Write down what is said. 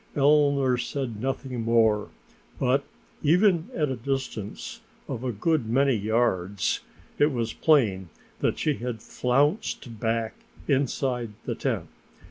Eleanor said nothing more, but even at a distance of a good many yards it was plain that she had flounced back inside the tent.